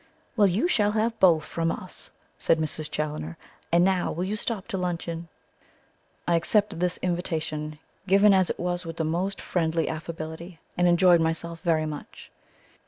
"Well, you shall have both from us," said Mrs. Challoner. "And now, will you stop to luncheon?" I accepted this invitation, given as it was with the most friendly affability, and enjoyed myself very much.